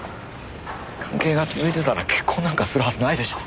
関係が続いてたら結婚なんかするはずないでしょ。